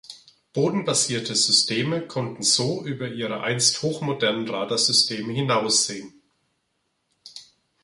Bodenbasiere Systeme konnten so über ihre einst hoch modernen Radarsysteme hinaus sehen.